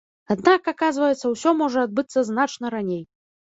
Аднак, аказваецца, усё можа адбыцца значна раней.